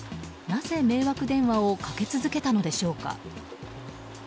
なぜ、迷惑電話をかけ続けたのでしょうか。